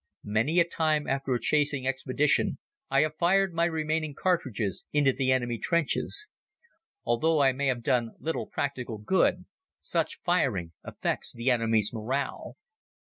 Many a time, after a chasing expedition, I have fired my remaining cartridges into the enemy trenches. Although I may have done little practical good, such firing affects the enemy's morale.